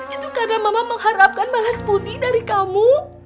itu karena mama mengharapkan balas budi dari kamu